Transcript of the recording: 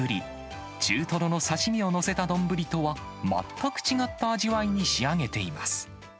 中トロの刺身を載せた丼とは、全く違った味わいに仕上げています。